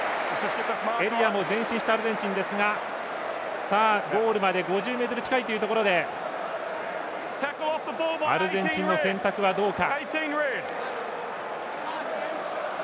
エリアも前進したアルゼンチンですがゴールまで５０ｍ近いというところでアルゼンチンの選択はどうか。